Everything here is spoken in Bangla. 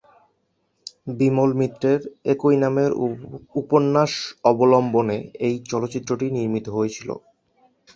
বিমল মিত্রের একই নামের উপন্যাস অবলম্বনে এই চলচ্চিত্রটি নির্মিত হয়েছিল।